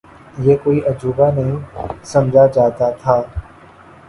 یہ کوئی عجوبہ نہیں سمجھا جاتا تھا۔